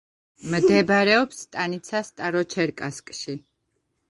მდებარეობს სტანიცა სტაროჩერკასკში.